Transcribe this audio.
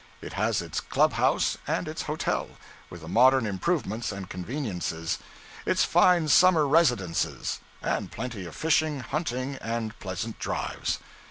It has its club house, and its hotel, with the modern improvements and conveniences; its fine summer residences; and plenty of fishing, hunting, and pleasant drives.